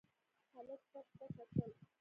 هلک چت ته کتل.